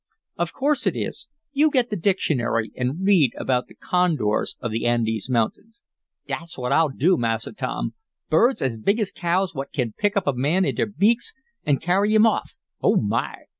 "Of course it is! You get the dictionary and read about the condors of the Andes Mountains." "Dat's what I'll do, Massa Tom. Birds as big as cows what kin pick up a man in dere beaks, an' carry him off! Oh, my!